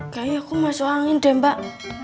kayaknya aku masuk angin deh mbak